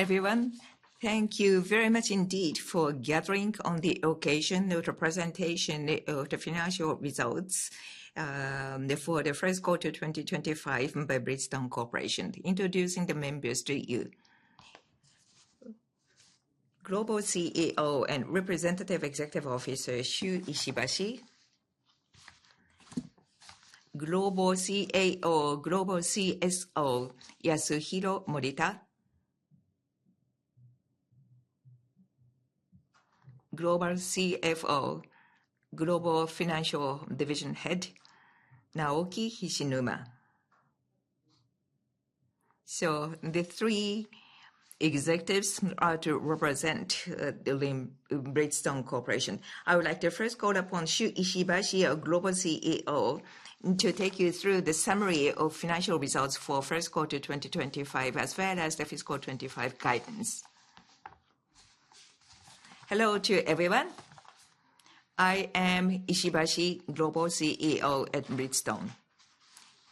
Everyone, thank you very much indeed for gathering on the occasion of the presentation of the financial results for the first quarter 2025 by Bridgestone Corporation. Introducing the members to you: Global CEO and Representative Executive Officer Shuichi Ishibashi, Global CSO Yasuhiro Morita, Global CFO, Global Financial Division Head Naoki Hishinuma. The three executives are to represent Bridgestone Corporation. I would like to first call upon Shuichi Ishibashi, our Global CEO, to take you through the summary of financial results for first quarter 2025, as well as the fiscal 2025 guidance. Hello to everyone. I am Ishibashi, Global CEO at Bridgestone.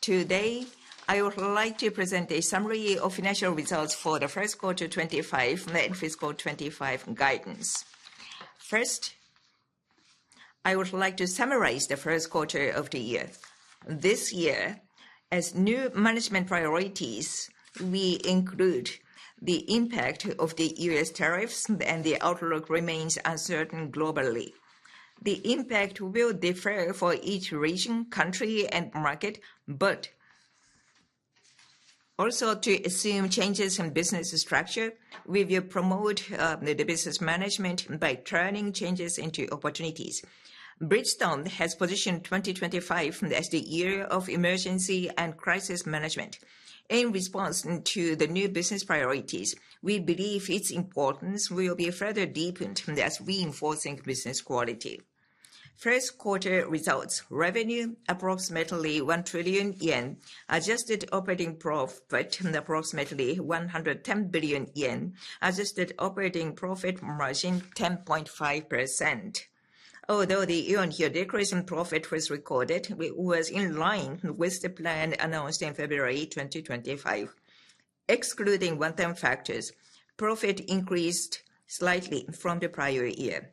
Today, I would like to present a summary of financial results for the first quarter 2025 and fiscal 2025 guidance. First, I would like to summarize the first quarter of the year. This year, as new management priorities, we include the impact of the U.S. tariffs, and the outlook remains uncertain globally. The impact will differ for each region, country, and market, but also to assume changes in business structure. We will promote the business management by turning changes into opportunities. Bridgestone has positioned 2025 as the year of emergency and crisis management. In response to the new business priorities, we believe its importance will be further deepened as we enforce business quality. First quarter results: revenue approximately 1 trillion yen, adjusted operating profit approximately 110 billion yen, adjusted operating profit margin 10.5%. Although the year-on-year decrease in profit was recorded, it was in line with the plan announced in February 2025. Excluding one-time factors, profit increased slightly from the prior year.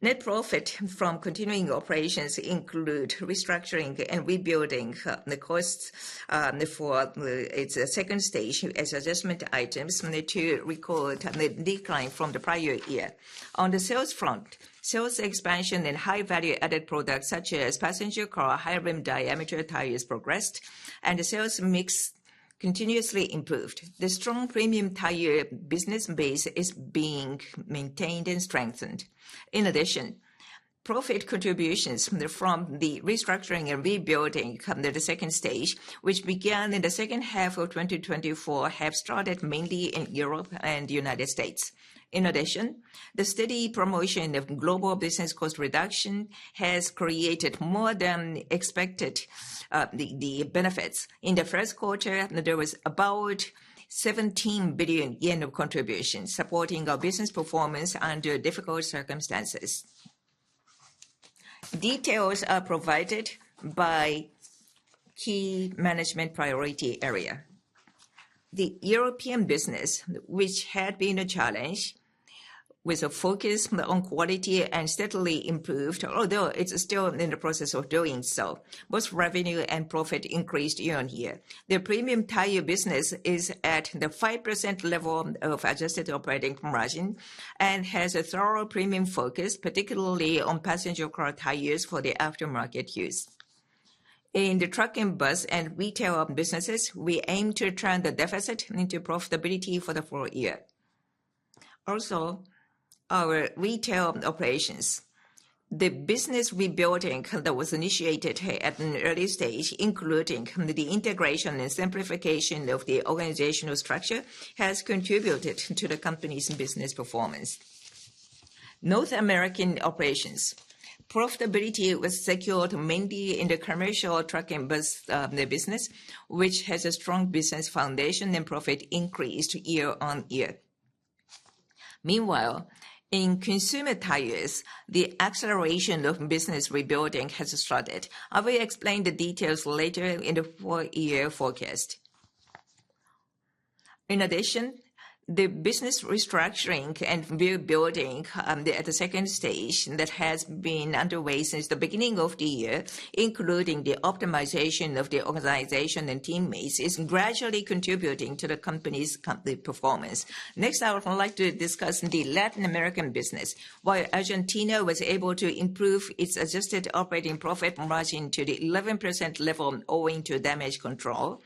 Net profit from continuing operations includes restructuring and rebuilding the costs for its second stage as adjustment items to record the decline from the prior year. On the sales front, sales expansion in high-value-added products such as passenger car high-rim diameter tires progressed, and the sales mix continuously improved. The strong premium tire business base is being maintained and strengthened. In addition, profit contributions from the restructuring and rebuilding of the second stage, which began in the second half of 2024, have started mainly in Europe and the United States. In addition, the steady promotion of global business cost reduction has created more than expected the benefits. In the first quarter, there was about 17 billion yen of contributions supporting our business performance under difficult circumstances. Details are provided by key management priority area. The European business, which had been a challenge, with a focus on quality and steadily improved, although it's still in the process of doing so, both revenue and profit increased year on year. The premium tire business is at the 5% level of adjusted operating margin and has a thorough premium focus, particularly on passenger car tires for the aftermarket use. In the truck and bus and retail businesses, we aim to turn the deficit into profitability for the full year. Also, our retail operations, the business rebuilding that was initiated at an early stage, including the integration and simplification of the organizational structure, has contributed to the company's business performance. North American operations, profitability was secured mainly in the commercial truck and bus business, which has a strong business foundation and profit increased year on year. Meanwhile, in consumer tires, the acceleration of business rebuilding has started. I will explain the details later in the full year forecast. In addition, the business restructuring and rebuilding at the second stage that has been underway since the beginning of the year, including the optimization of the organization and teammates, is gradually contributing to the company's performance. Next, I would like to discuss the Latin American business. While Argentina was able to improve its adjusted operating profit margin to the 11% level owing to damage control,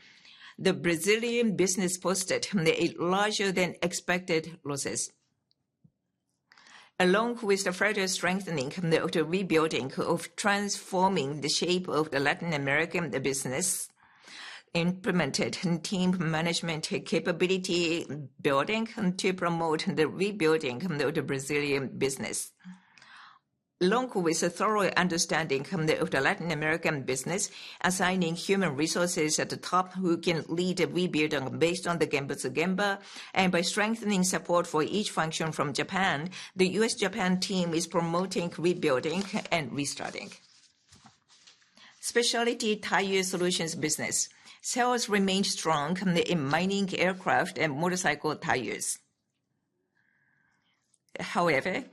the Brazilian business posted a larger than expected losses, along with further strengthening of the rebuilding of transforming the shape of the Latin American business, implemented team management capability building to promote the rebuilding of the Brazilian business, along with a thorough understanding of the Latin American business, assigning human resources at the top who can lead the rebuilding based on the Gemba to Gemba, and by strengthening support for each function from Japan, the U.S.-Japan team is promoting rebuilding and restarting. Specialty tire solutions business, sales remained strong in mining, aircraft, and motorcycle tires. However,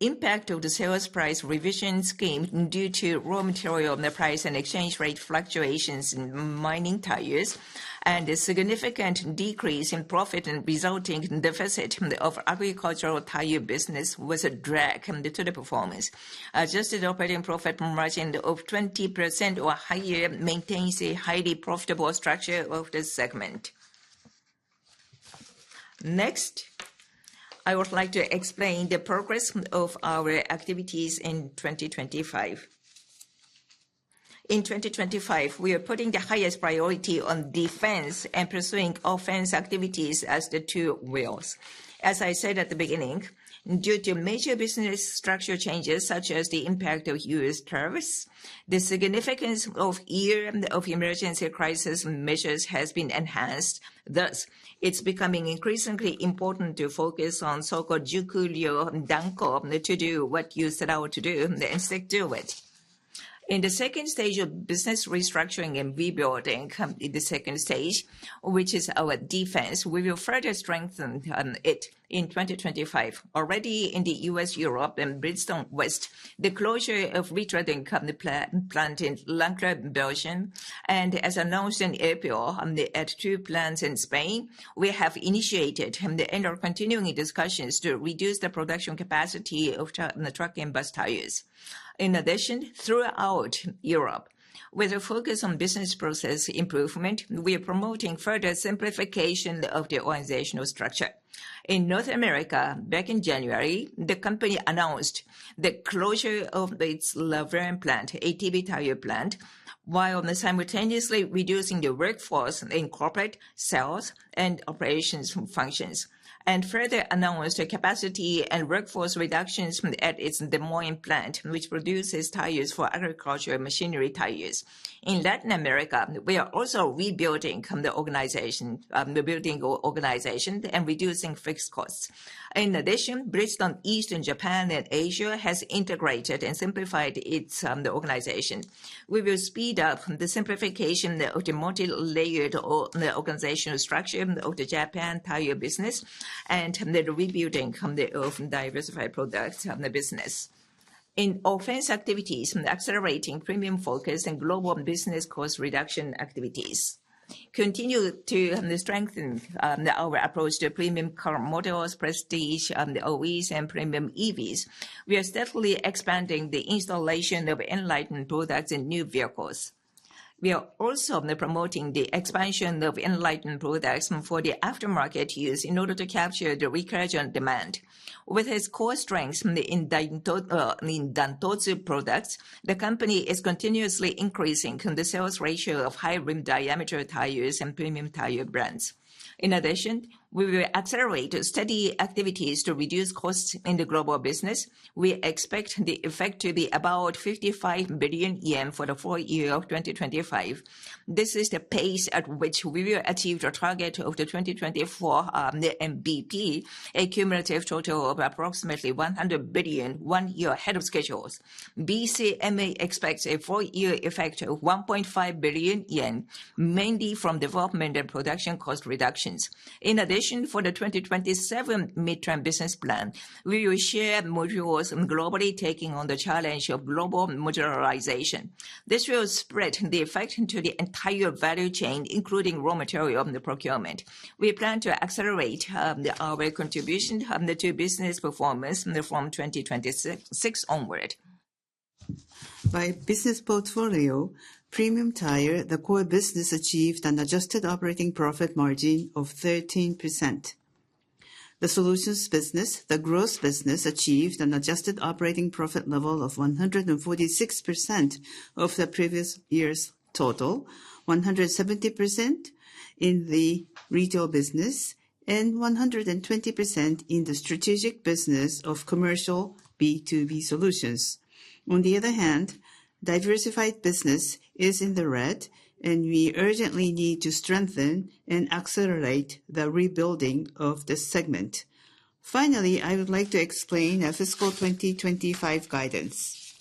impact of the sales price revision scheme due to raw material price and exchange rate fluctuations in mining tires and a significant decrease in profit and resulting deficit of agricultural tire business was a drag to the performance. Adjusted operating profit margin of 20% or higher maintains a highly profitable structure of the segment. Next, I would like to explain the progress of our activities in 2025. In 2025, we are putting the highest priority on defense and pursuing offense activities as the two wheels. As I said at the beginning, due to major business structure changes such as the impact of U.S. tariffs, the significance of emergency crisis measures has been enhanced. Thus, it's becoming increasingly important to focus on so-called Jukuyo Danko to do what you set out to do and stick to it. In the second stage of business restructuring and rebuilding, the second stage, which is our defense, we will further strengthen it in 2025. Already in the U.S., Europe, and Bridgestone West, the closure of retreating plant in Lankrooi Beauregie, and as announced in April at two plants in Spain, we have initiated and are continuing discussions to reduce the production capacity of truck and bus tires. In addition, throughout Europe, with a focus on business process improvement, we are promoting further simplification of the organizational structure. In North America, back in January, the company announced the closure of its Laverne plant, ATV tire plant, while simultaneously reducing the workforce in corporate sales and operations functions, and further announced the capacity and workforce reductions at its Des Moines plant, which produces tires for agricultural machinery tires. In Latin America, we are also rebuilding the organization, building organization and reducing fixed costs. In addition, Bridgestone East in Japan and Asia has integrated and simplified its organization. We will speed up the simplification of the multi-layered organizational structure of the Japan tire business and the rebuilding of the diversified products of the business. In offense activities, accelerating premium focus and global business cost reduction activities. Continue to strengthen our approach to premium car models, prestige, OEs, and premium EVs. We are steadily expanding the installation of enlightened products and new vehicles. We are also promoting the expansion of enlightened products for the aftermarket use in order to capture the recurrent demand. With its core strengths in Dantotsu products, the company is continuously increasing the sales ratio of high-rim diameter tires and premium tire brands. In addition, we will accelerate steady activities to reduce costs in the global business. We expect the effect to be about 55 billion yen for the full year of 2025. This is the pace at which we will achieve the target of the 2024 MBP, a cumulative total of approximately 100 billion one year ahead of schedule. BCMA expects a full year effect of 1.5 billion yen, mainly from development and production cost reductions. In addition, for the 2027 Midterm Business Plan, we will share modules globally taking on the challenge of global modularization. This will spread the effect to the entire value chain, including raw material procurement. We plan to accelerate our contribution to business performance from 2026 onward. By business portfolio, premium tire, the core business achieved an adjusted operating profit margin of 13%. The solutions business, the gross business, achieved an adjusted operating profit level of 146% of the previous year's total, 170% in the retail business, and 120% in the strategic business of commercial B2B solutions. On the other hand, diversified business is in the red, and we urgently need to strengthen and accelerate the rebuilding of this segment. Finally, I would like to explain fiscal 2025 guidance.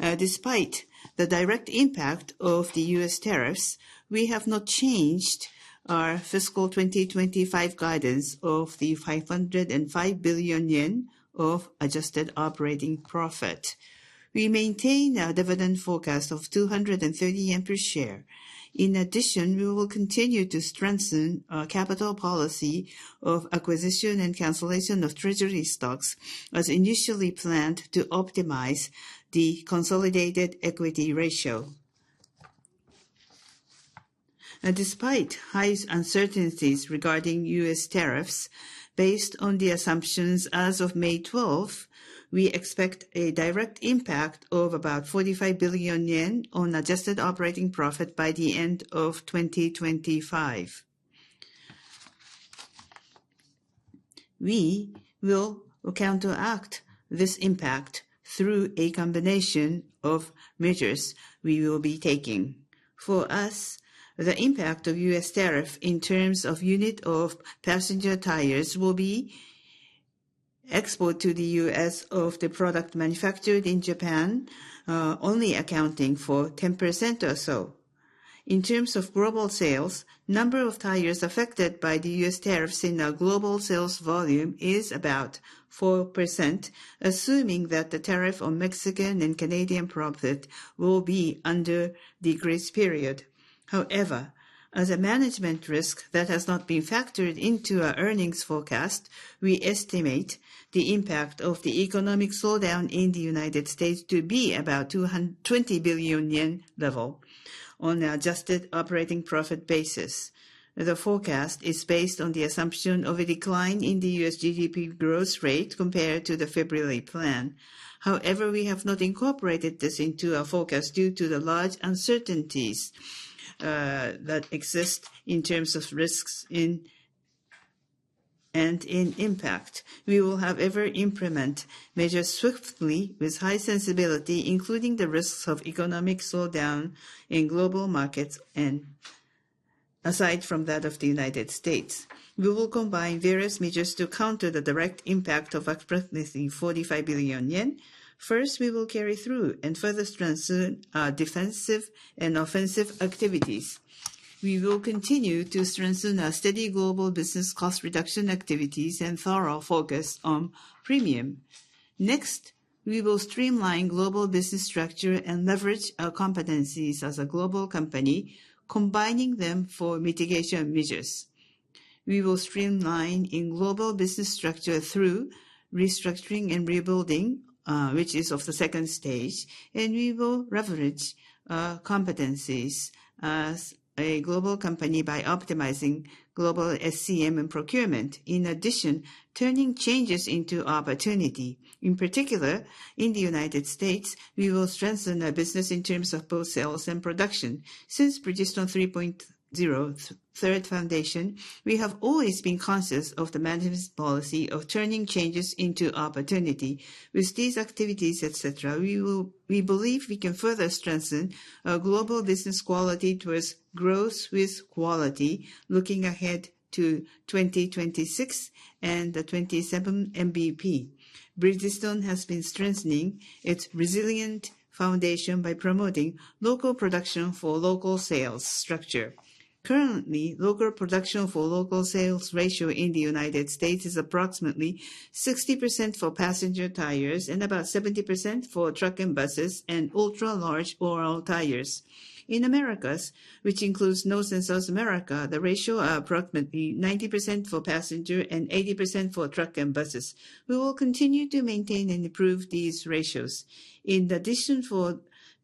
Despite the direct impact of the U.S. tariffs, we have not changed our fiscal 2025 guidance of 505 billion yen of adjusted operating profit. We maintain a dividend forecast of 230 yen per share. In addition, we will continue to strengthen capital policy of acquisition and cancellation of treasury stocks as initially planned to optimize the consolidated equity ratio. Despite high uncertainties regarding U.S. tariffs, based on the assumptions as of May 12, we expect a direct impact of about 45 billion yen on adjusted operating profit by the end of 2025. We will counteract this impact through a combination of measures we will be taking. For us, the impact of U.S. tariff in terms of unit of passenger tires will be export to the U.S. of the product manufactured in Japan, only accounting for 10% or so. In terms of global sales, the number of tires affected by the U.S. tariffs in our global sales volume is about 4%, assuming that the tariff on Mexican and Canadian profit will be under decrease period. However, as a management risk that has not been factored into our earnings forecast, we estimate the impact of the economic slowdown in the United States to be about 220 billion yen level on an adjusted operating profit basis. The forecast is based on the assumption of a decline in the U.S. GDP growth rate compared to the February plan. However, we have not incorporated this into our forecast due to the large uncertainties that exist in terms of risks and impact. We will, however, implement measures swiftly with high sensibility, including the risks of economic slowdown in global markets and aside from that of the United States. We will combine various measures to counter the direct impact of a profit in 45 billion yen. First, we will carry through and further strengthen our defensive and offensive activities. We will continue to strengthen our steady global business cost reduction activities and thorough focus on premium. Next, we will streamline global business structure and leverage our competencies as a global company, combining them for mitigation measures. We will streamline global business structure through restructuring and rebuilding, which is of the second stage, and we will leverage our competencies as a global company by optimizing global SCM and procurement. In addition, turning changes into opportunity. In particular, in the United States, we will strengthen our business in terms of both sales and production. Since Bridgestone 3.0 Third Foundation, we have always been conscious of the management policy of turning changes into opportunity. With these activities, etc., we believe we can further strengthen our global business quality towards growth with quality, looking ahead to 2026 and the 2027 MBP. Bridgestone has been strengthening its resilient foundation by promoting local production for local sales structure. Currently, local production for local sales ratio in the United States is approximately 60% for passenger tires and about 70% for truck and buses and ultra-large radial tires. In Americas, which includes North and South America, the ratio is approximately 90% for passenger and 80% for truck and buses. We will continue to maintain and improve these ratios. In addition,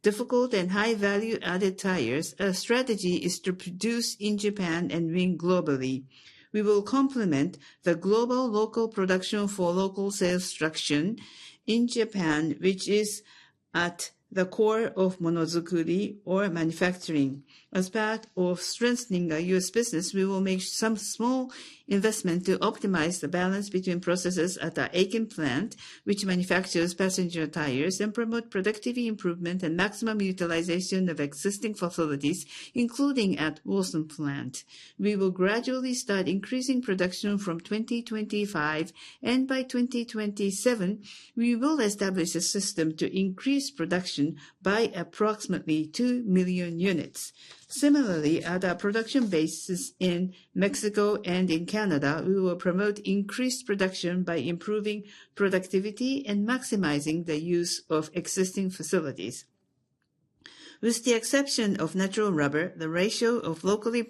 for difficult and high-value-added tires, our strategy is to produce in Japan and win globally. We will complement the global local production for local sales structure in Japan, which is at the core of Monozukuri or manufacturing. As part of strengthening our U.S. business, we will make some small investment to optimize the balance between processes at the Aiken plant, which manufactures passenger tires, and promote productivity improvement and maximum utilization of existing facilities, including at Wilson plant. We will gradually start increasing production from 2025, and by 2027, we will establish a system to increase production by approximately 2 million units. Similarly, at our production bases in Mexico and in Canada, we will promote increased production by improving productivity and maximizing the use of existing facilities. With the exception of natural rubber, the ratio of locally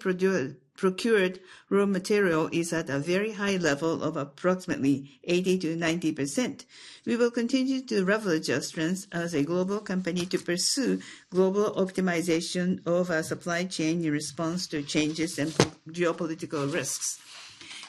procured raw material is at a very high level of approximately 80%-90%. We will continue to leverage our strengths as a global company to pursue global optimization of our supply chain in response to changes and geopolitical risks.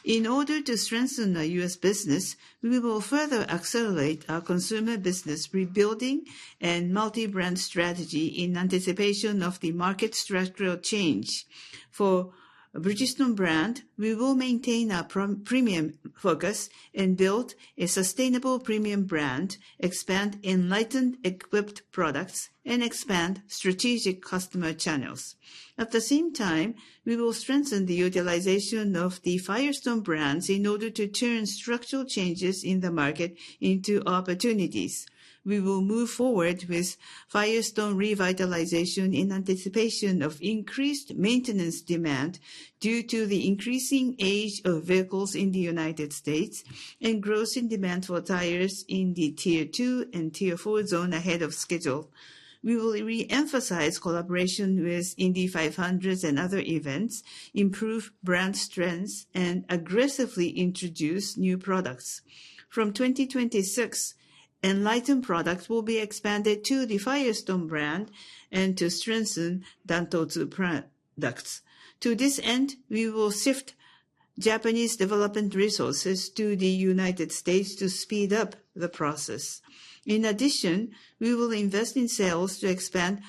In order to strengthen our U.S. business, we will further accelerate our consumer business rebuilding and multi-brand strategy in anticipation of the market structural change. For Bridgestone Brand, we will maintain our premium focus and build a sustainable premium brand, expand enlightened equipped products, and expand strategic customer channels. At the same time, we will strengthen the utilization of the Firestone brands in order to turn structural changes in the market into opportunities. We will move forward with Firestone revitalization in anticipation of increased maintenance demand due to the increasing age of vehicles in the United States and growth in demand for tires in the Tier II and Tier IV zone ahead of schedule. We will re-emphasize collaboration with Indy 500 and other events, improve brand strengths, and aggressively introduce new products. From 2026, enlightened products will be expanded to the Firestone brand and to strengthen Dantotsu products. To this end, we will shift Japanese development resources to the United States to speed up the process. In addition, we will invest in sales to expand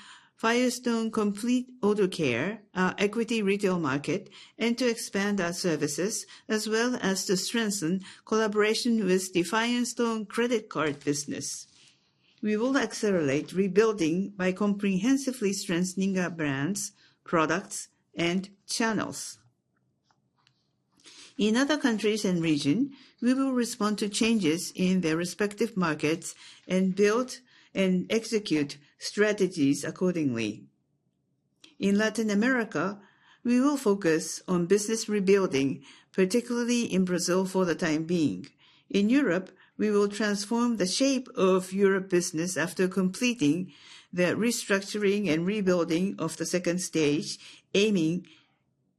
Firestone Complete Auto Care, our equity retail market, and to expand our services, as well as to strengthen collaboration with the Firestone credit card business. We will accelerate rebuilding by comprehensively strengthening our brands, products, and channels. In other countries and regions, we will respond to changes in their respective markets and build and execute strategies accordingly. In Latin America, we will focus on business rebuilding, particularly in Brazil for the time being. In Europe, we will transform the shape of Europe business after completing the restructuring and rebuilding of the second stage, aiming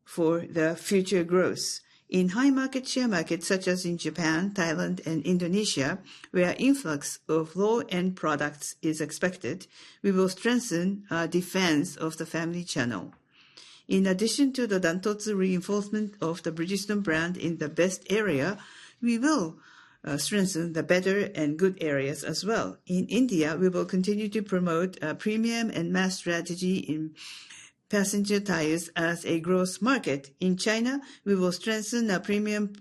for the future growth. In high-market share markets such as in Japan, Thailand, and Indonesia, where influx of raw end products is expected, we will strengthen our defense of the family channel. In addition to the Dantotsu reinforcement of the Bridgestone brand in the best area, we will strengthen the better and good areas as well. In India, we will continue to promote a premium and mass strategy in passenger tires as a growth market. In China, we will strengthen our premium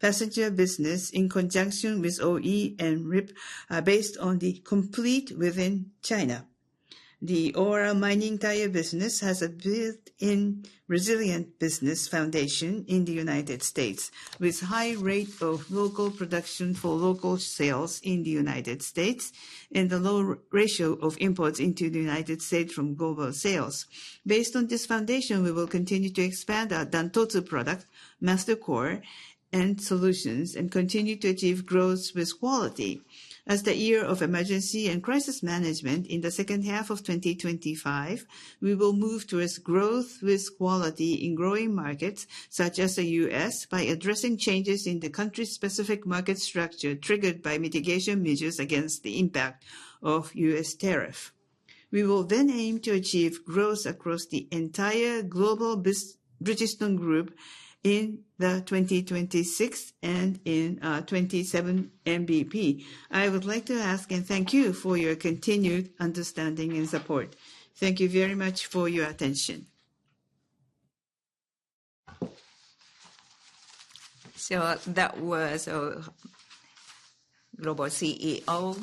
passenger business in conjunction with OE and RIP based on the complete within China. The aural mining tire business has a built-in resilient business foundation in the U.S., with a high rate of local production for local sales in the U.S. and a low ratio of imports into the U.S. from global sales. Based on this foundation, we will continue to expand our Dantotsu product, Master Core, and solutions, and continue to achieve growth with quality. As the year of emergency and crisis management in the second half of 2025, we will move towards growth with quality in growing markets such as the U.S. by addressing changes in the country-specific market structure triggered by mitigation measures against the impact of U.S. tariffs. We will then aim to achieve growth across the entire global Bridgestone Group in 2026 and in the 2027 MBP. I would like to ask and thank you for your continued understanding and support. Thank you very much for your attention. That was our global CEO,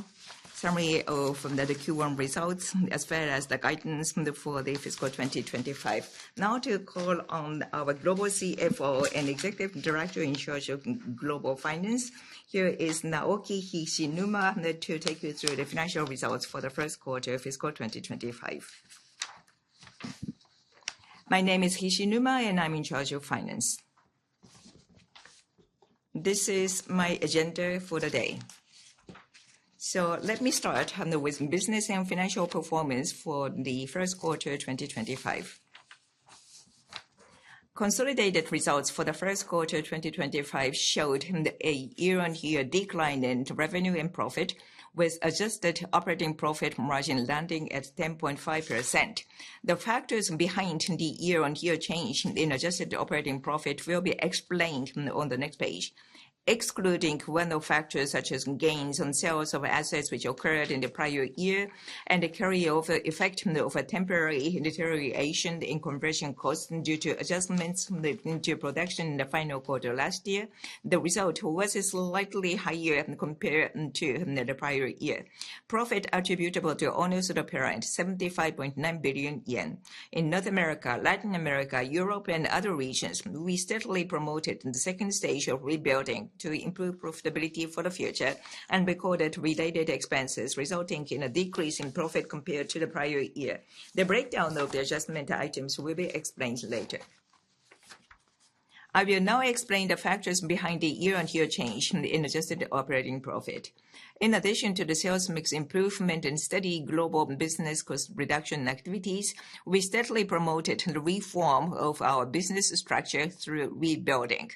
summary from the Q1 results, as well as the guidance from the full day fiscal 2025. Now to call on our global CFO and Executive Director in charge of global finance. Here is Naoki Hishinuma, to take you through the financial results for the first quarter of fiscal 2025. My name is Hishinuma, and I'm in charge of finance. This is my agenda for the day. Let me start with business and financial performance for the first quarter 2025. Consolidated results for the first quarter 2025 showed a year-on-year decline in revenue and profit, with adjusted operating profit margin landing at 10.5%. The factors behind the year-on-year change in adjusted operating profit will be explained on the next page, excluding one of the factors such as gains on sales of assets which occurred in the prior year and the carryover effect of a temporary deterioration in conversion cost due to adjustments to production in the final quarter last year. The result was slightly higher compared to the prior year. Profit attributable to owners of the parent, 75.9 billion yen. In North America, Latin America, Europe, and other regions, we steadily promoted the second stage of rebuilding to improve profitability for the future and recorded related expenses resulting in a decrease in profit compared to the prior year. The breakdown of the adjustment items will be explained later. I will now explain the factors behind the year-on-year change in adjusted operating profit. In addition to the sales mix improvement and steady global business cost reduction activities, we steadily promoted the reform of our business structure through rebuilding.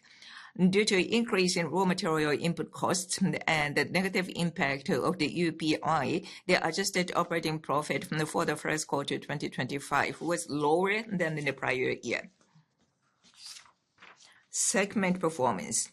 Due to increasing raw material input costs and the negative impact of the UPI, the adjusted operating profit for the first quarter 2025 was lower than in the prior year. Segment performance.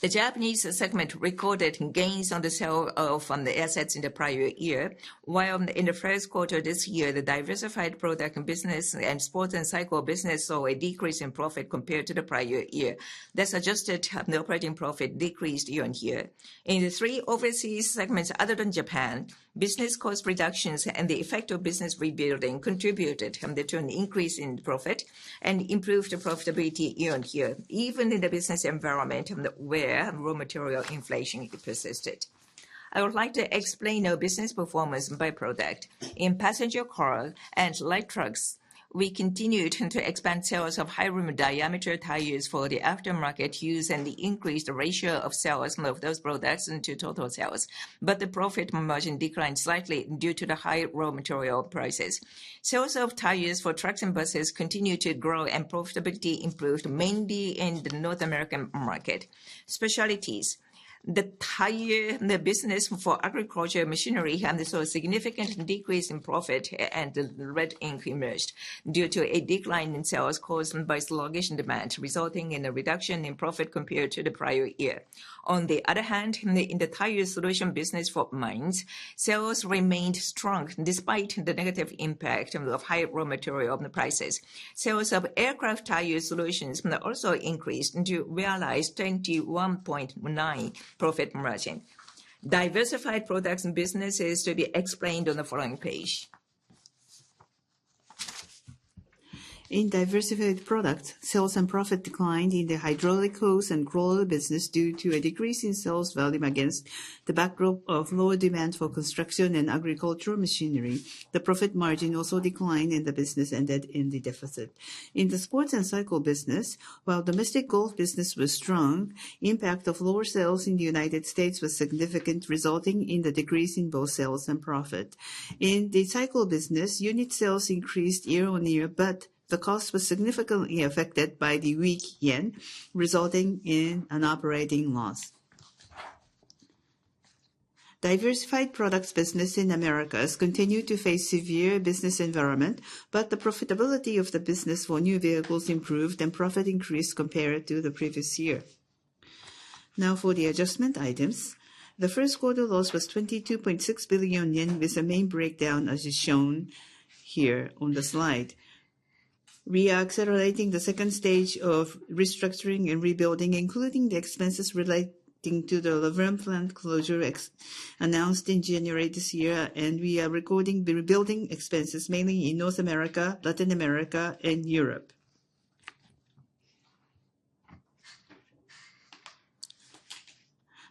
The Japanese segment recorded gains on the sale of assets in the prior year, while in the first quarter this year, the diversified products business and sports and cycle business saw a decrease in profit compared to the prior year. This adjusted operating profit decreased year-on-year. In the three overseas segments other than Japan, business cost reductions and the effect of business rebuilding contributed to an increase in profit and improved profitability year-on-year, even in the business environment where raw material inflation persisted. I would like to explain our business performance by product. In passenger car and light trucks, we continued to expand sales of high-rim diameter tires for the aftermarket use and the increased ratio of sales of those products to total sales, but the profit margin declined slightly due to the high raw material prices. Sales of tires for trucks and buses continued to grow, and profitability improved mainly in the North American market. Specialties. The tire business for agriculture machinery saw a significant decrease in profit, and red ink emerged due to a decline in sales caused by sluggish demand, resulting in a reduction in profit compared to the prior year. On the other hand, in the tire solution business for mines, sales remained strong despite the negative impact of high raw material prices. Sales of aircraft tire solutions also increased to realize 21.9% profit margin. Diversified products and businesses to be explained on the following page. In diversified products, sales and profit declined in the hydraulic hose and crawler business due to a decrease in sales volume against the backdrop of lower demand for construction and agricultural machinery. The profit margin also declined in the business and ended in the deficit. In the sports and cycle business, while domestic golf business was strong, the impact of lower sales in the United States was significant, resulting in a decrease in both sales and profit. In the cycle business, unit sales increased year-on-year, but the cost was significantly affected by the weak yen, resulting in an operating loss. Diversified products business in the Americas continued to face a severe business environment, but the profitability of the business for new vehicles improved and profit increased compared to the previous year. Now for the adjustment items. The first quarter loss was 22.6 billion yen, with a main breakdown as shown here on the slide. We are accelerating the second stage of restructuring and rebuilding, including the expenses relating to the Laverne plant closure announced in January this year, and we are recording the rebuilding expenses mainly in North America, Latin America, and Europe.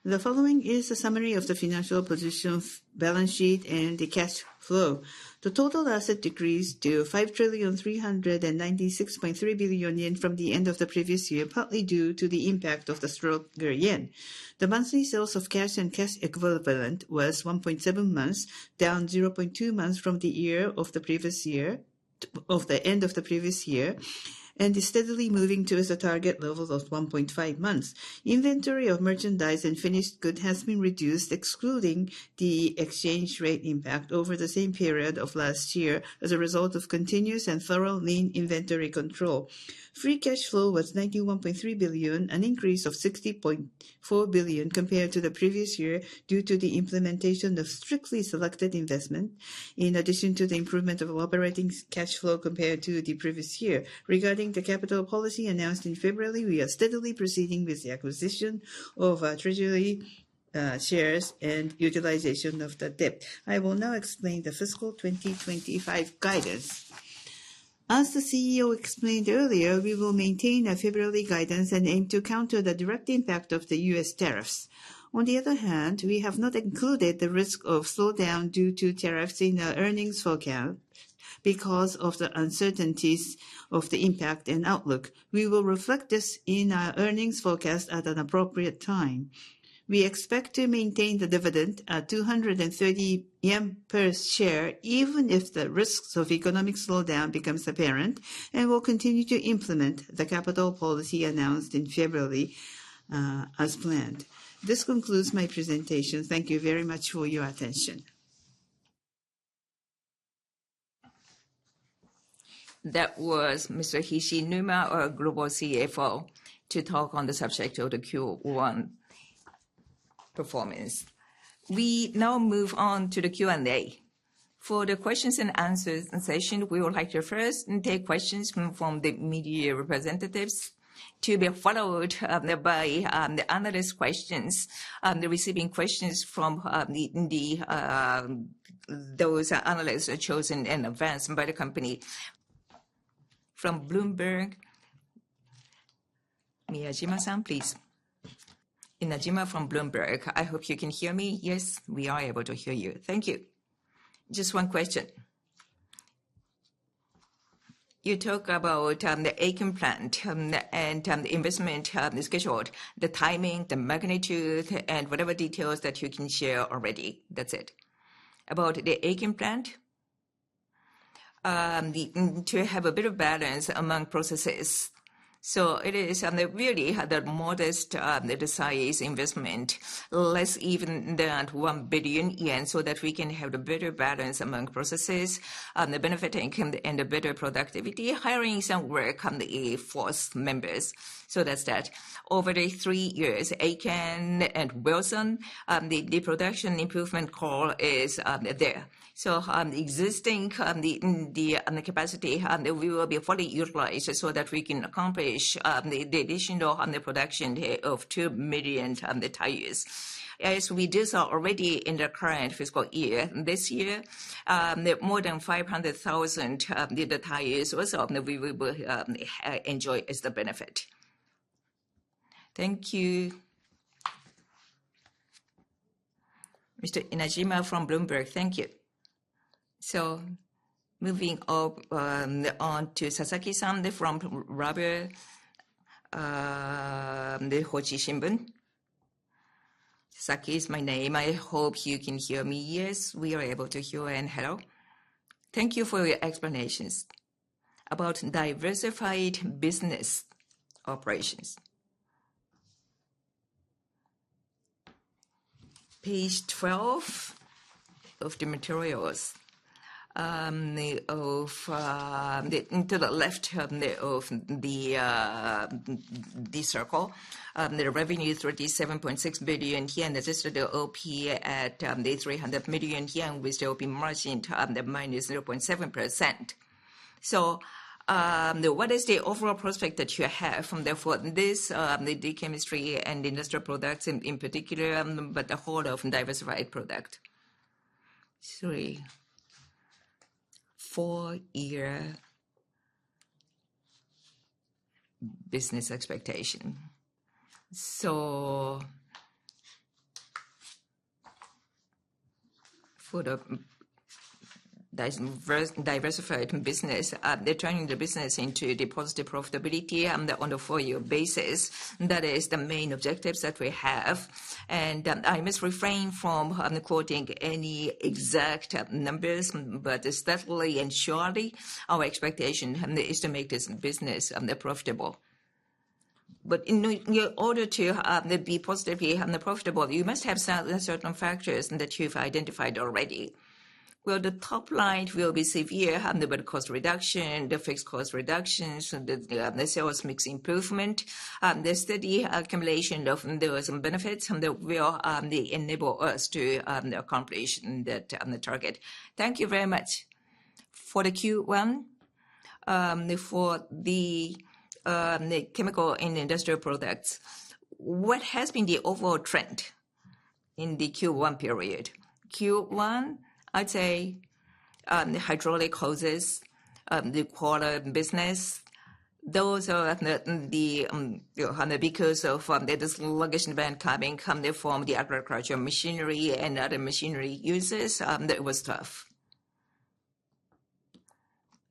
The following is a summary of the financial position balance sheet and the cash flow. The total asset decreased to 5,396.3 billion yen from the end of the previous year, partly due to the impact of the stronger yen. The monthly sales of cash and cash equivalent was 1.7 months, down 0.2 months from the end of the previous year, and is steadily moving to the target level of 1.5 months. Inventory of merchandise and finished goods has been reduced, excluding the exchange rate impact over the same period of last year as a result of continuous and thorough lean inventory control. Free cash flow was 91.3 billion, an increase of 60.4 billion compared to the previous year due to the implementation of strictly selected investment, in addition to the improvement of operating cash flow compared to the previous year. Regarding the capital policy announced in February, we are steadily proceeding with the acquisition of treasury shares and utilization of the debt. I will now explain the fiscal 2025 guidance. As the CEO explained earlier, we will maintain a February guidance and aim to counter the direct impact of the U.S. tariffs. On the other hand, we have not included the risk of slowdown due to tariffs in our earnings forecast because of the uncertainties of the impact and outlook. We will reflect this in our earnings forecast at an appropriate time. We expect to maintain the dividend at 230 yen per share, even if the risks of economic slowdown become apparent, and we'll continue to implement the capital policy announced in February as planned. This concludes my presentation. Thank you very much for your attention. That was Mr. Hishinuma, our Global CFO, to talk on the subject of the Q1 performance. We now move on to the Q&A. For the questions and answers session, we would like to first take questions from the media representatives to be followed by the analyst questions, the receiving questions from those analysts chosen in advance by the company. From Bloomberg, Miyajima-san, please. Miyajima from Bloomberg, I hope you can hear me. Yes, we are able to hear you. Thank you. Just one question. You talk about the Aiken plant and the investment schedule, the timing, the magnitude, and whatever details that you can share already. That's it. About the Aiken plant, to have a bit of balance among processes. It is really the modest size investment, less even than 1 billion yen, so that we can have a better balance among processes, the benefit income, and the better productivity, hiring some work force members. That's that. Over the three years, Aiken and Wilson, the production improvement call is there. The existing capacity will be fully utilized so that we can accomplish the additional production of 2 million tires. As we did already in the current fiscal year, this year, more than 500,000 tires also we will enjoy as the benefit. Thank you. Mr. Inajima from Bloomberg, thank you. Moving on to Sasaki-san from Robert Hochi Shimbun. Sasaki is my name. I hope you can hear me. Yes, we are able to hear and hello. Thank you for your explanations about diversified business operations. Page 12 of the materials, to the left of the circle. The revenue is 37.6 billion yen. This is the OP at 300 million yen, with the OP margin of -0.7%. What is the overall prospect that you have for this chemistry and industrial products in particular, but the whole of diversified product? Three, four-year business expectation. For the diversified business, turning the business into positive profitability on a four-year basis, that is the main objectives that we have. I must refrain from quoting any exact numbers, but steadily and surely, our expectation is to make this business profitable. In order to be positively profitable, you must have certain factors that you've identified already. The top line will be severe, but cost reduction, the fixed cost reductions, the sales mix improvement, the steady accumulation of those benefits will enable us to accomplish that target. Thank you very much. For the Q1, for the chemical and industrial products, what has been the overall trend in the Q1 period? Q1, I'd say hydraulic hoses, the crawler business, those are the because of this luggage event coming from the agriculture machinery and other machinery uses, it was tough.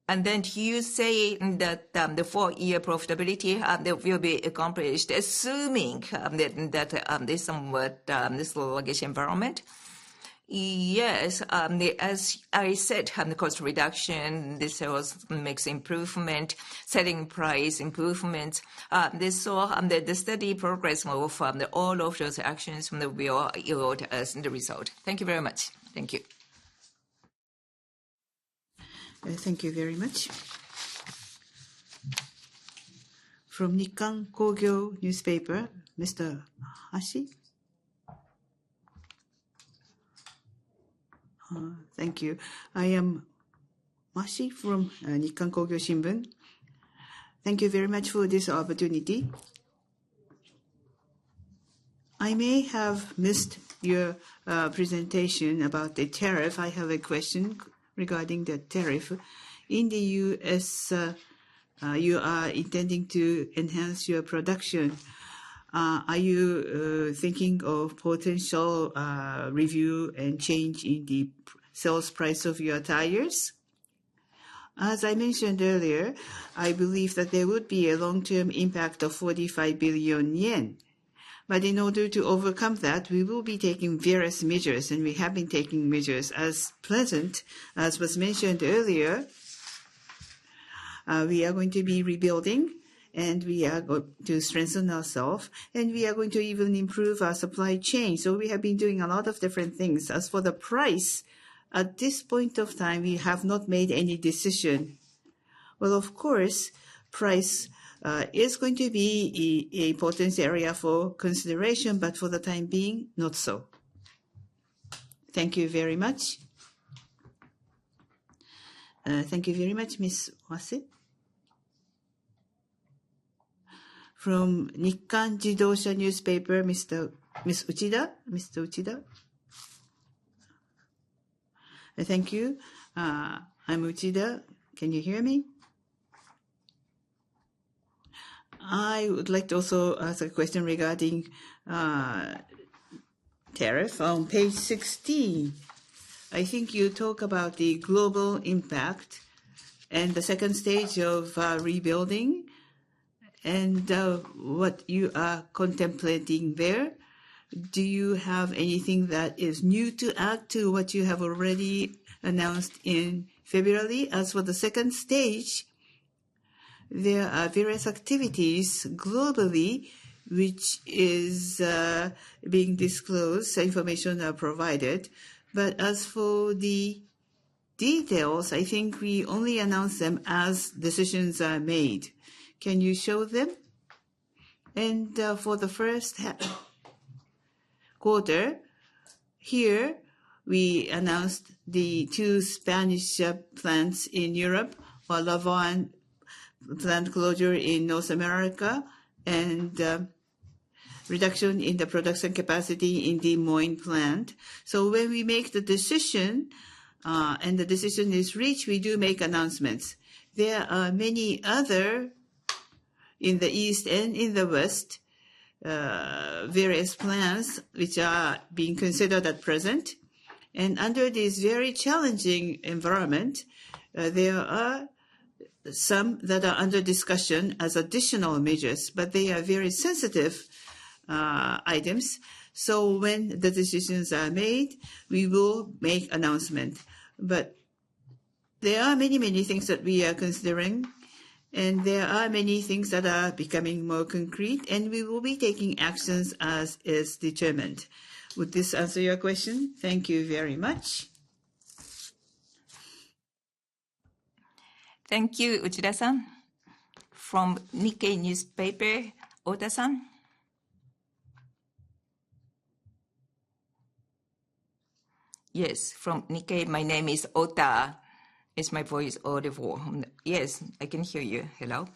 And then to say that the four-year profitability will be accomplished, assuming that there's somewhat this luggage environment. Yes, as I said, cost reduction, the sales mix improvement, setting price improvements. The steady progress of all of those actions will yield us the result. Thank you very much. Thank you. Thank you very much. From Nikkan Kogyo Newspaper, Mr. Hashi. Thank you. I am Mashi from Nikkan Kogyo Shinbun. Thank you very much for this opportunity. I may have missed your presentation about the tariff. I have a question regarding the tariff. In the U.S., you are intending to enhance your production. Are you thinking of potential review and change in the sales price of your tires? As I mentioned earlier, I believe that there would be a long-term impact of 45 billion yen. In order to overcome that, we will be taking various measures, and we have been taking measures at present as was mentioned earlier. We are going to be rebuilding, and we are going to strengthen ourselves, and we are going to even improve our supply chain. We have been doing a lot of different things. As for the price, at this point of time, we have not made any decision. Of course, price is going to be an important area for consideration, but for the time being, not so. Thank you very much. Thank you very much, Ms. Wase. From Nikkan Jidosha Newspaper, Ms. Uchida. Mr. Uchida. Thank you. I'm Uchida. Can you hear me? I would like to also ask a question regarding tariff. On page 16, I think you talk about the global impact and the second stage of rebuilding and what you are contemplating there. Do you have anything that is new to add to what you have already announced in February? As for the second stage, there are various activities globally which are being disclosed, information provided. As for the details, I think we only announce them as decisions are made. Can you show them? For the first quarter, here we announced the two Spanish plants in Europe, Laverne plant closure in North America, and reduction in the production capacity in the Moen plant. When we make the decision and the decision is reached, we do make announcements. There are many other in the east and in the west, various plants which are being considered at present. Under this very challenging environment, there are some that are under discussion as additional measures, but they are very sensitive items. When the decisions are made, we will make announcements. There are many, many things that we are considering, and there are many things that are becoming more concrete, and we will be taking actions as is determined. Would this answer your question? Thank you very much. Thank you, Uchida-san. From Nikkei Newspaper, Ota-san. Yes, from Nikkei, my name is Ota. Is my voice audible? Yes, I can hear you. Hello.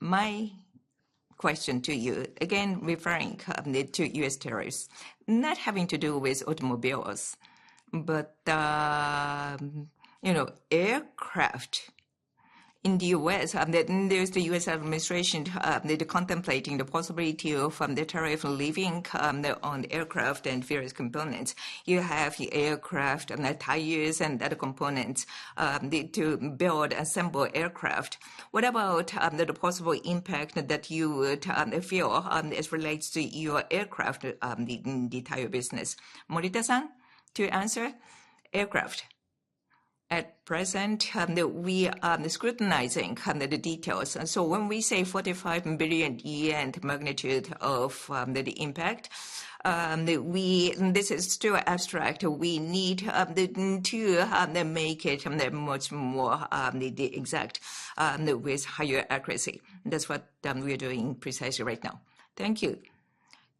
My question to you, again referring to U.S. tariffs, not having to do with automobiles, but aircraft in the U.S., there's the U.S. administration contemplating the possibility of the tariff leaving on aircraft and various components. You have aircraft and tires and other components to build, assemble aircraft. What about the possible impact that you would feel as relates to your aircraft in the tire business? Morita-san, to answer, aircraft. At present, we are scrutinizing the details. So when we say 45 billion yen magnitude of the impact, this is still abstract. We need to make it much more exact with higher accuracy. That's what we're doing precisely right now. Thank you.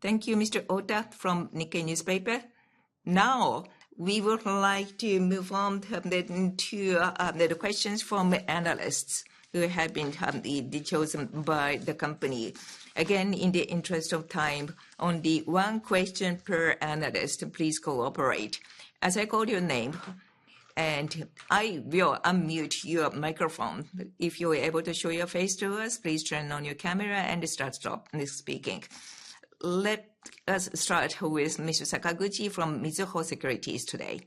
Thank you, Mr. Ota from Nikkei Newspaper. Now, we would like to move on to the questions from analysts who have been chosen by the company. Again, in the interest of time, only one question per analyst. Please cooperate. As I call your name, I will unmute your microphone. If you are able to show your face to us, please turn on your camera and start speaking. Let us start with Mr. Sakaguchi from Mizuho Securities today.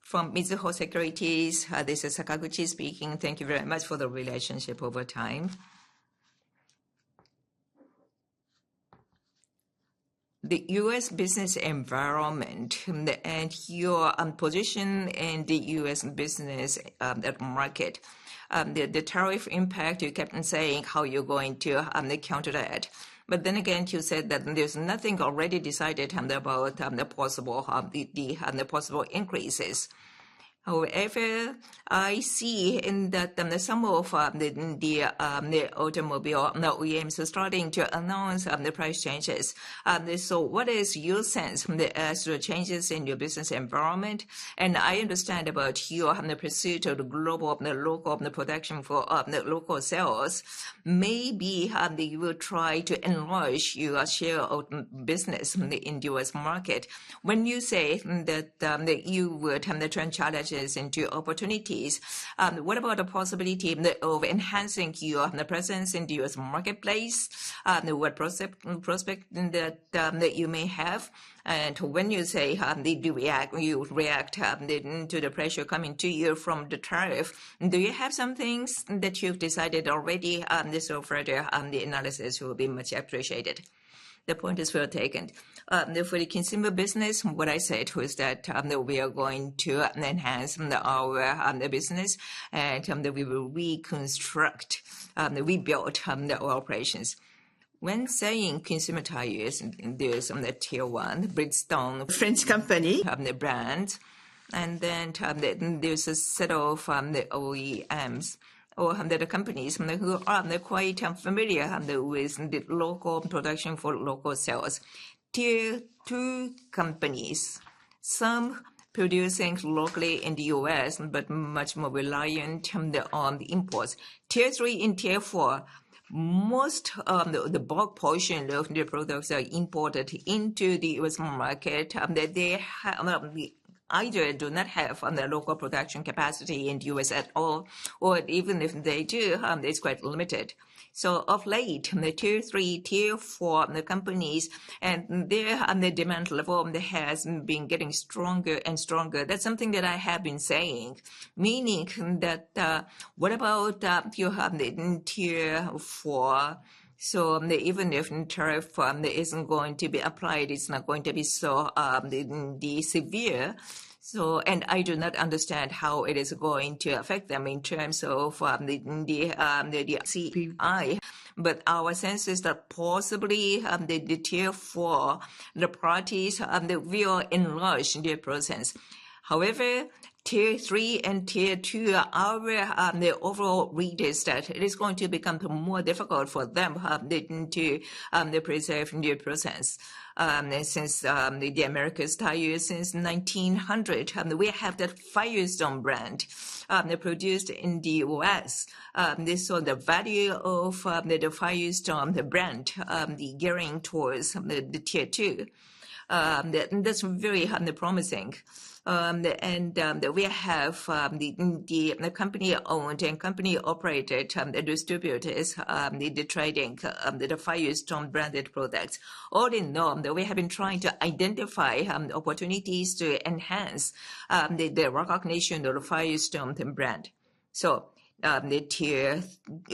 From Mizuho Securities, this is Sakaguchi speaking. Thank you very much for the relationship over time. The U.S. business environment and your position in the U.S. business market, the tariff impact, you kept on saying how you are going to counter that. Then again, you said that there is nothing already decided about the possible increases. However, I see that some of the automobile OEMs are starting to announce the price changes. What is your sense as to changes in your business environment? I understand about your pursuit of the global local production for local sales. Maybe you will try to enlarge your share of business in the U.S. market. When you say that you would turn the challenges into opportunities, what about the possibility of enhancing your presence in the U.S. marketplace? What prospect that you may have? When you say you react to the pressure coming to you from the tariff, do you have some things that you've decided already? This is for the analysis, will be much appreciated. The point is well taken. For the consumer business, what I said was that we are going to enhance our business and we will reconstruct, rebuild our operations. When saying consumer tires, there's tier one, Bridgestone, French company brands. Then there's a set of OEMs or the companies who are quite familiar with the local production for local sales. Tier two companies, some producing locally in the U.S., but much more reliant on imports. Tier three and tier four, most of the bulk portion of the products are imported into the U.S. market. They either do not have the local production capacity in the U.S. at all, or even if they do, it's quite limited. Of late, the tier three, tier four companies, and their demand level has been getting stronger and stronger. That's something that I have been saying, meaning that what about your tier four? Even if tariff isn't going to be applied, it's not going to be so severe. I do not understand how it is going to affect them in terms of the CPI. Our sense is that possibly the tier four, the parties, will enlarge their presence. However, tier three and tier two are the overall leaders that it is going to become more difficult for them to preserve their presence. Since the Americas tires since 1900, we have the Firestone brand produced in the U.S. The value of the Firestone brand gearing towards the tier two, that is very promising. We have the company-owned and company-operated distributors trading the Firestone branded products. All in all, we have been trying to identify opportunities to enhance the recognition of the Firestone brand. The tier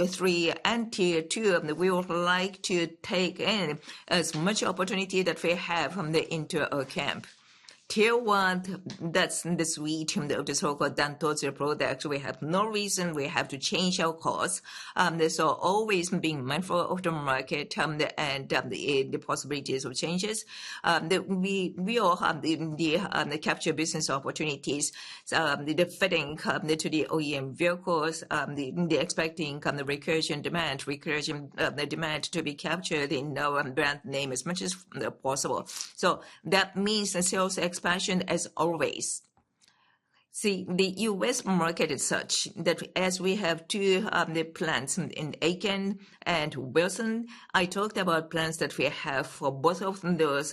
three and tier two, we would like to take in as much opportunity that we have from the inter camp. Tier one, that is the suite of the so-called Dantotsu products. We have no reason we have to change our course. Always being mindful of the market and the possibilities of changes. We will capture business opportunities, the fitting to the OEM vehicles, the expecting recursion demand, recursion demand to be captured in our brand name as much as possible. That means sales expansion as always. See, the U.S. market is such that as we have two plants in Aiken and Wilson, I talked about plants that we have for both of those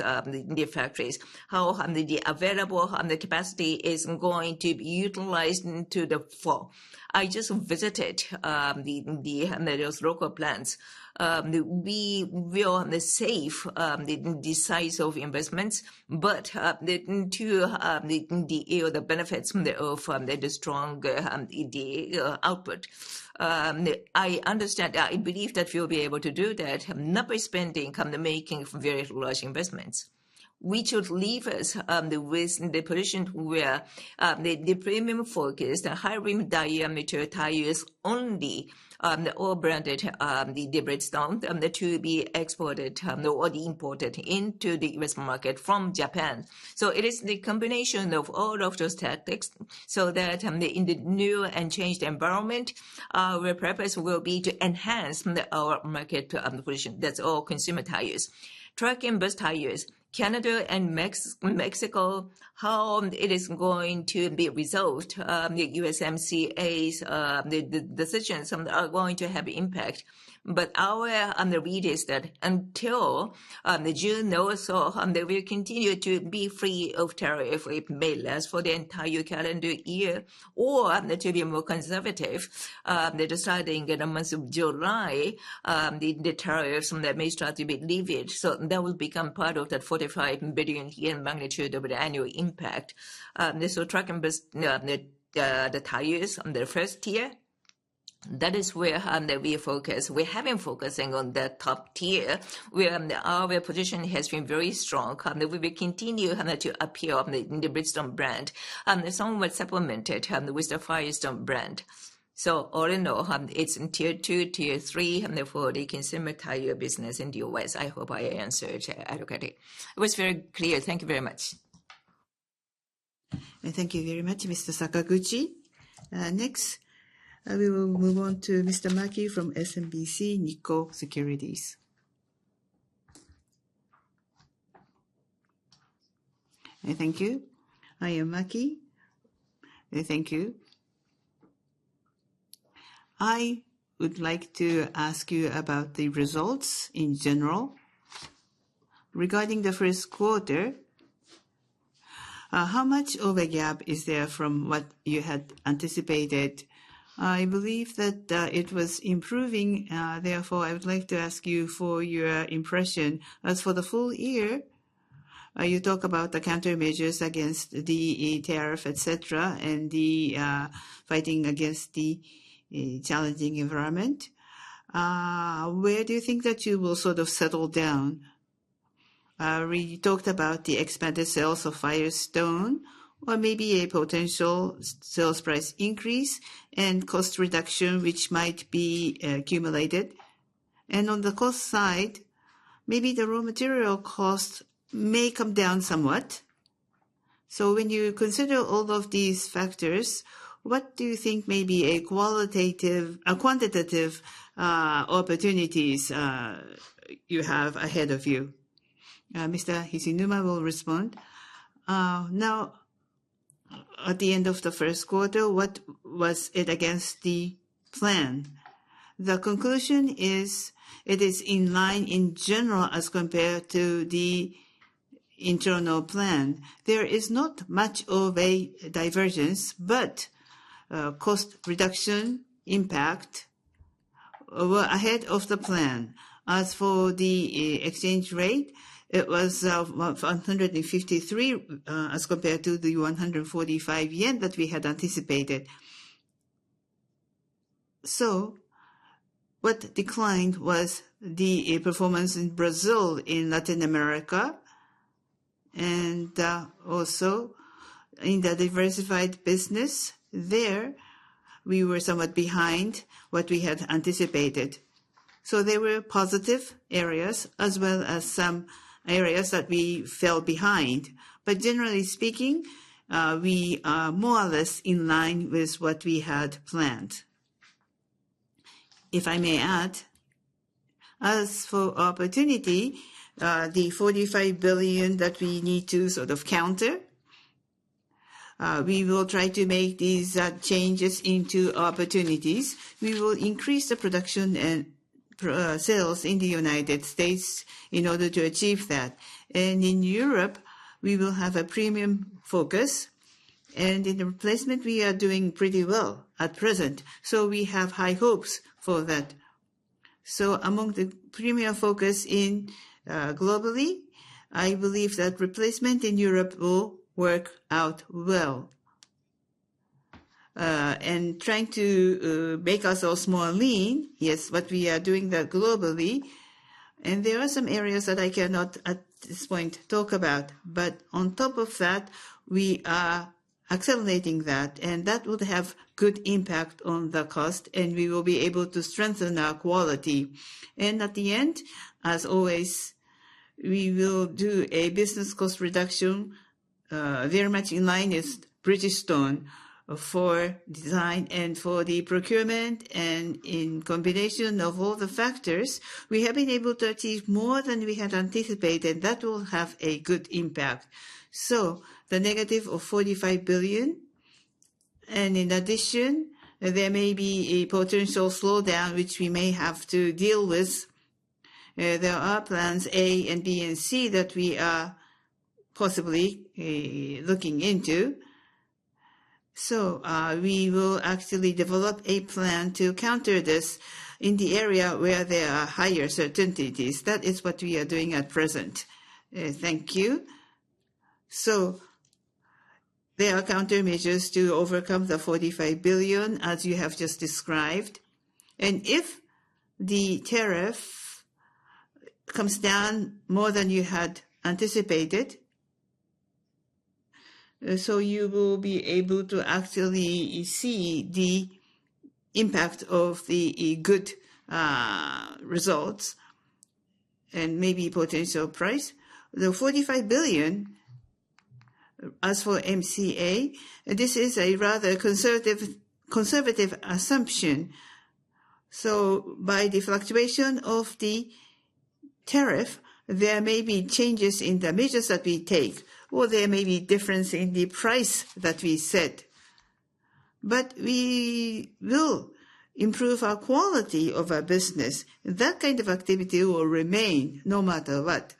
factories, how the available capacity is going to be utilized to the full. I just visited those local plants. We will save the size of investments, but to the benefits of the strong output. I understand, I believe that we will be able to do that, not by spending on making very large investments. We should leave us with the position where the premium-focused high-rim diameter tires only are branded the Bridgestone to be exported or imported into the U.S. market from Japan. It is the combination of all of those tactics so that in the new and changed environment, our purpose will be to enhance our market position. That is all consumer tires. Truck and bus tires, Canada and Mexico, how it is going to be resolved, the USMCA's decisions are going to have impact. Our read is that until June or so, we will continue to be free of tariff, if maybe less, for the entire calendar year. To be more conservative, deciding in the month of July, the tariffs may start to be leveraged. That will become part of that 45 billion yen magnitude of the annual impact. Truck and bus tires on the first tier, that is where we focus. We have not focused on the top tier, where our position has been very strong. We will continue to appear in the Bridgestone brand, somewhat supplemented with the Firestone brand. All in all, it is tier two, tier three for the consumer tire business in the U.S. I hope I answered adequately. It was very clear. Thank you very much. Thank you very much, Mr. Sakaguchi. Next, we will move on to Mr. Maki from SMBC Nikko Securities. Thank you. I am Maki. Thank you. I would like to ask you about the results in general regarding the first quarter. How much overgap is there from what you had anticipated? I believe that it was improving. Therefore, I would like to ask you for your impression. As for the full year, you talk about the countermeasures against the tariff, etc., and the fighting against the challenging environment. Where do you think that you will sort of settle down? We talked about the expanded sales of Firestone, or maybe a potential sales price increase and cost reduction which might be accumulated. On the cost side, maybe the raw material cost may come down somewhat. When you consider all of these factors, what do you think may be a qualitative, quantitative opportunities you have ahead of you? Mr. Hishinuma will respond. Now, at the end of the first quarter, what was it against the plan? The conclusion is it is in line in general as compared to the internal plan. There is not much of a divergence, but cost reduction impact ahead of the plan. As for the exchange rate, it was 153 as compared to the 145 yen that we had anticipated. What declined was the performance in Brazil, in Latin America, and also in the diversified business. There, we were somewhat behind what we had anticipated. There were positive areas as well as some areas that we fell behind. Generally speaking, we are more or less in line with what we had planned. If I may add, as for opportunity, the 45 billion that we need to sort of counter, we will try to make these changes into opportunities. We will increase the production and sales in the United States in order to achieve that. In Europe, we will have a premium focus. In the replacement, we are doing pretty well at present. We have high hopes for that. Among the premium focus globally, I believe that replacement in Europe will work out well. Trying to make us all small lean, yes, what we are doing globally. There are some areas that I cannot at this point talk about. On top of that, we are accelerating that. That would have a good impact on the cost. We will be able to strengthen our quality. At the end, as always, we will do a business cost reduction very much in line with Bridgestone for design and for the procurement. In combination of all the factors, we have been able to achieve more than we had anticipated. That will have a good impact. The negative of 45 billion. In addition, there may be a potential slowdown which we may have to deal with. There are plans A and B and C that we are possibly looking into. We will actually develop a plan to counter this in the area where there are higher certainties. That is what we are doing at present. Thank you. There are countermeasures to overcome the 45 billion, as you have just described. If the tariff comes down more than you had anticipated? You will be able to actually see the impact of the good results and maybe potential price. The 45 billion, as for USMCA, this is a rather conservative assumption. By the fluctuation of the tariff, there may be changes in the measures that we take, or there may be difference in the price that we set. We will improve our quality of our business. That kind of activity will remain no matter what.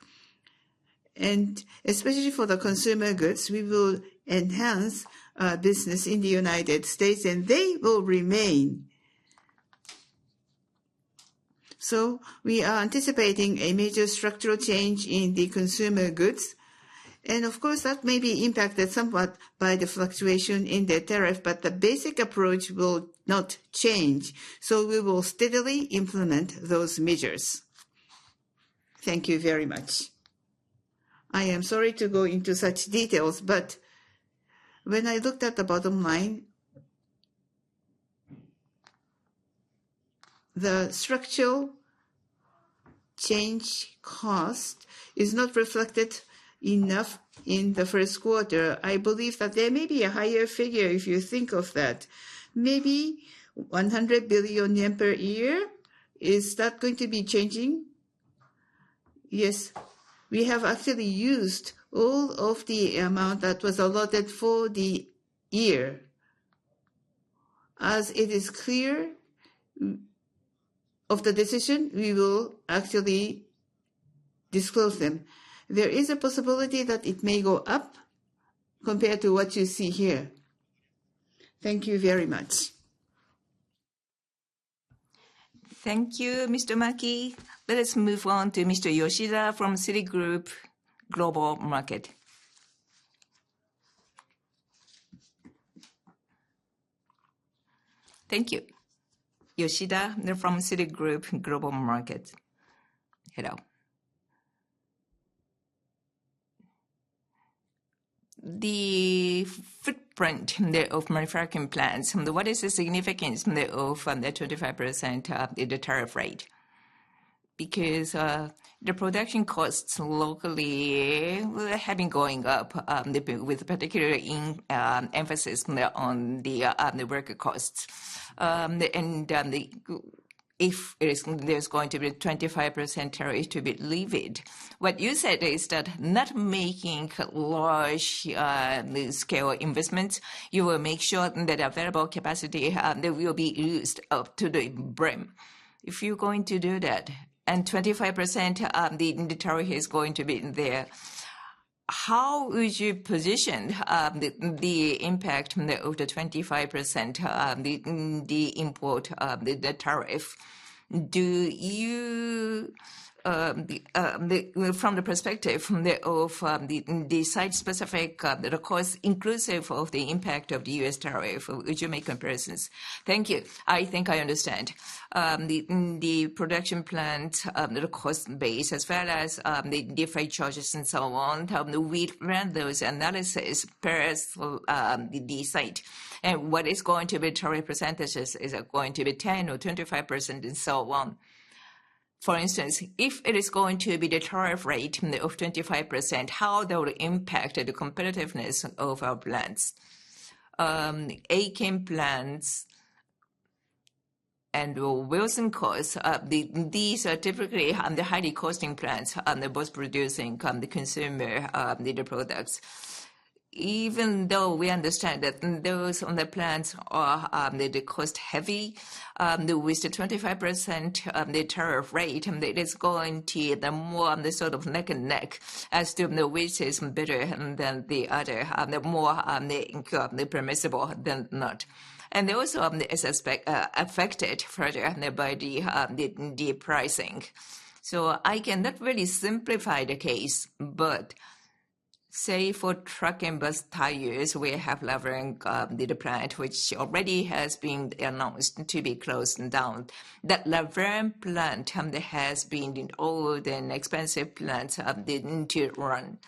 Especially for the consumer goods, we will enhance business in the United States, and they will remain. We are anticipating a major structural change in the consumer goods. Of course, that may be impacted somewhat by the fluctuation in the tariff, but the basic approach will not change. We will steadily implement those measures. Thank you very much. I am sorry to go into such details, but when I looked at the bottom line, the structural change cost is not reflected enough in the first quarter. I believe that there may be a higher figure if you think of that. Maybe 100 billion yen per year. Is that going to be changing? Yes. We have actually used all of the amount that was allotted for the year. As it is clear of the decision, we will actually disclose them. There is a possibility that it may go up compared to what you see here. Thank you very much. Thank you, Mr. Maki. Let us move on to Mr. Yoshida from Citi Group Global Market. Thank you. Yoshida from Citi Group Global Market. Hello. The footprint of manufacturing plants, what is the significance of the 25% of the tariff rate? Because the production costs locally have been going up with particular emphasis on the worker costs. If there is going to be a 25% tariff to be leveraged, what you said is that not making large-scale investments, you will make sure that available capacity will be used up to the brim. If you are going to do that, and 25% of the tariff is going to be there, how would you position the impact of the 25% in the import of the tariff? Do you, from the perspective of the site-specific costs, inclusive of the impact of the U.S. tariff, would you make comparisons? Thank you. I think I understand. The production plant cost base, as well as the different charges and so on, we ran those analyses per the site. What is going to be the tariff percentages? Is it going to be 10% or 25% and so on? For instance, if it is going to be the tariff rate of 25%, how that will impact the competitiveness of our plants? Aiken plants and Wilson costs, these are typically highly costing plants on both producing the consumer products. Even though we understand that those plants are cost heavy with the 25% tariff rate, it is going to be more on the sort of neck and neck, as to which is better than the other, the more permissible than not. They also are affected further by the pricing. I cannot really simplify the case, but say for truck and bus tires, we have the Laverne plant, which already has been announced to be closed down. That Laverne plant has been an old and expensive plant to run.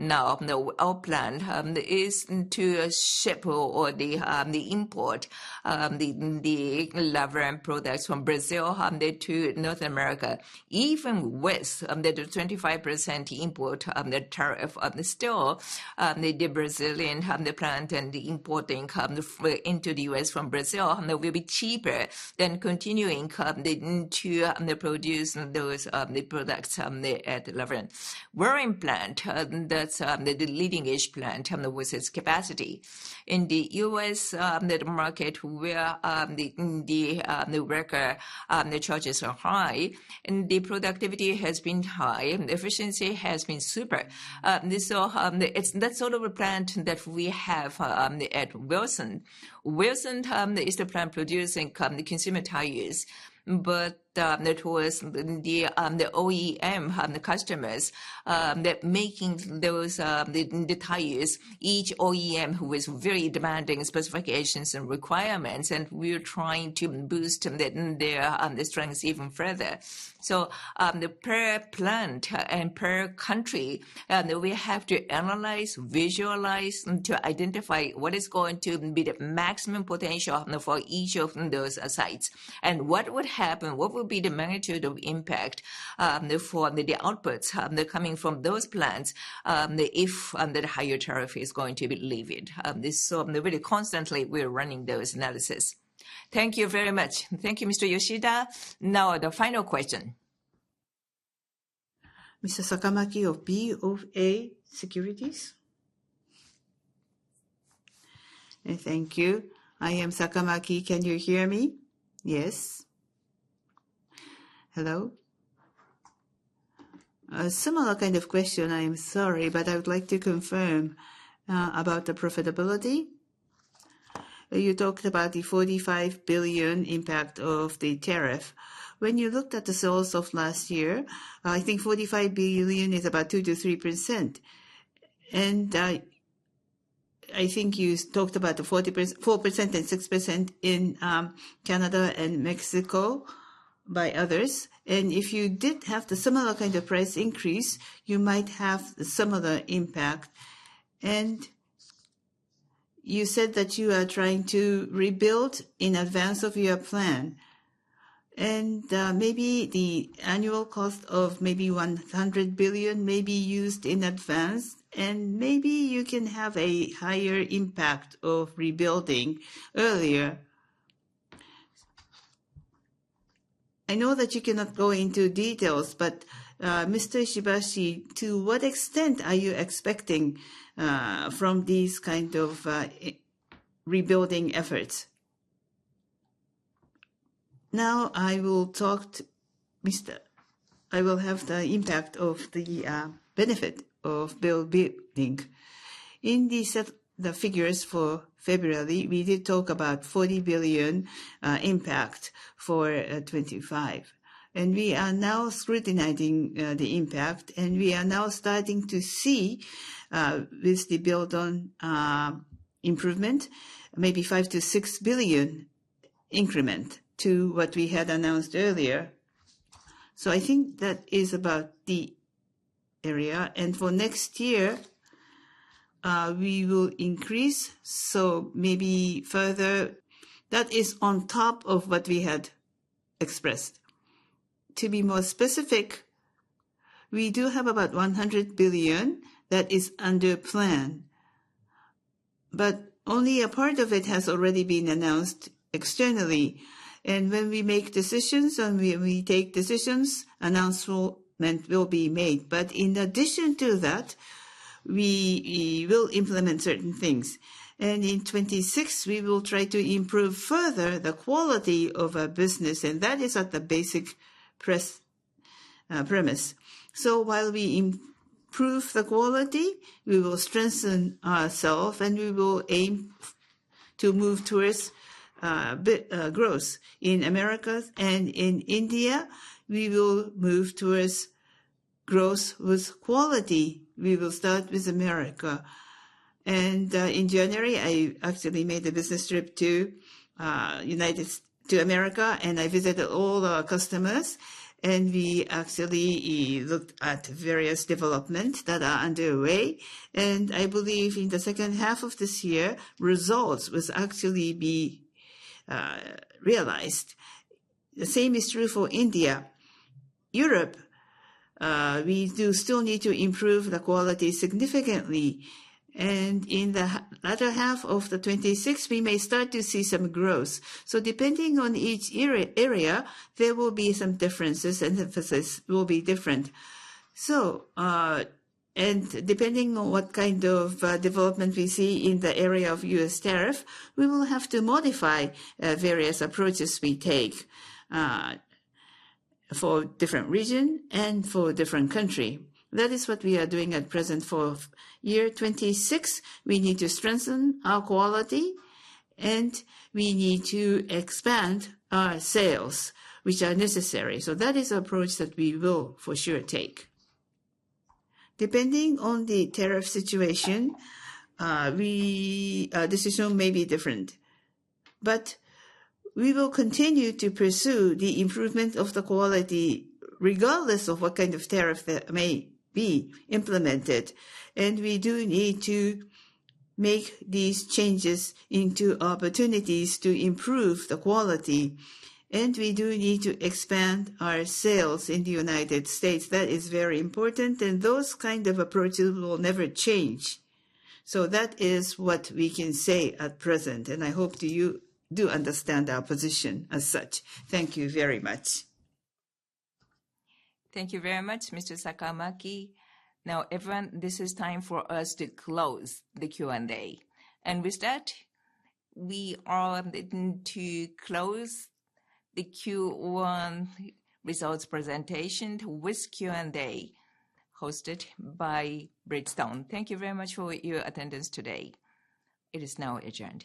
Now, our plan is to ship or the import of the Laverne products from Brazil to North America. Even with the 25% import tariff, still the Brazilian plant and the importing into the U.S. from Brazil will be cheaper than continuing to produce those products at Laverne. Wilson plant, that's the leading-edge plant with its capacity. In the U.S. market, where the worker charges are high, and the productivity has been high, and the efficiency has been super. That's sort of a plant that we have at Wilson. Wilson is the plant producing consumer tires, but it was the OEM, the customers that making those tires, each OEM who is very demanding specifications and requirements, and we're trying to boost their strengths even further. Per plant and per country, we have to analyze, visualize to identify what is going to be the maximum potential for each of those sites. What would happen? What would be the magnitude of impact for the outputs coming from those plants if the higher tariff is going to be leveraged? Really, constantly, we're running those analyses. Thank you very much. Thank you, Mr. Yoshida. Now, the final question. Mr. Sakamaki of BofA Securities. Thank you. I am Sakamaki. Can you hear me? Yes. Hello? A similar kind of question. I am sorry, but I would like to confirm about the profitability. You talked about the 45 billion impact of the tariff. When you looked at the sales of last year, I think 45 billion is about 2-3%. I think you talked about the 4% and 6% in Canada and Mexico by others. If you did have the similar kind of price increase, you might have a similar impact. You said that you are trying to rebuild in advance of your plan. Maybe the annual cost of maybe 100 billion may be used in advance, and maybe you can have a higher impact of rebuilding earlier. I know that you cannot go into details, but Mr. Ishibashi, to what extent are you expecting from these kinds of rebuilding efforts? Now, I will talk to Mr. I will have the impact of the benefit of building. In the figures for February, we did talk about 40 billion impact for 2025. We are now scrutinizing the impact, and we are now starting to see with the build-on improvement, maybe 5-6 billion increment to what we had announced earlier. I think that is about the area. For next year, we will increase, maybe further. That is on top of what we had expressed. To be more specific, we do have about 100 billion that is under plan, but only a part of it has already been announced externally. When we make decisions and when we take decisions, announcement will be made. In addition to that, we will implement certain things. In 2026, we will try to improve further the quality of our business. That is at the basic premise. While we improve the quality, we will strengthen ourselves, and we will aim to move towards growth in America. In India, we will move towards growth with quality. We will start with America. In January, I actually made a business trip to America, and I visited all our customers. We actually looked at various developments that are underway. I believe in the second half of this year, results will actually be realized. The same is true for India. Europe, we do still need to improve the quality significantly. In the latter half of 2026, we may start to see some growth. Depending on each area, there will be some differences and emphasis will be different. Depending on what kind of development we see in the area of U.S. tariff, we will have to modify various approaches we take for different regions and for different countries. That is what we are doing at present for year 2026. We need to strengthen our quality, and we need to expand our sales, which are necessary. That is the approach that we will for sure take. Depending on the tariff situation, decision may be different. We will continue to pursue the improvement of the quality regardless of what kind of tariff that may be implemented. We do need to make these changes into opportunities to improve the quality. We do need to expand our sales in the United States. That is very important. Those kinds of approaches will never change. That is what we can say at present. I hope you do understand our position as such. Thank you very much. Thank you very much, Mr. Sakamaki. Now, everyone, this is time for us to close the Q&A. With that, we are going to close the Q1 results presentation with Q&A hosted by Bridgestone. Thank you very much for your attendance today. It is now adjourned.